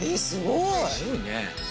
すごいね。